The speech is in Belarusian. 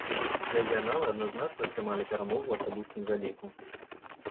Рэгіяналы адназначна атрымалі перамогу ў асабістым заліку.